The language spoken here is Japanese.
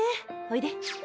おいで。